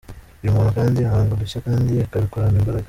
Uyu muntu kandi ahanga udushya kandi akabikorana imbaraga.